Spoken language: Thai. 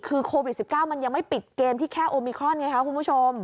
คือโควิด๑๙มันยังไม่ปิดเกมที่แค่โอมิครอนไงคะคุณผู้ชม